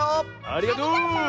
ありがとう！